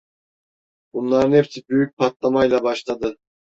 Bunların hepsi büyük patlamayla başladı!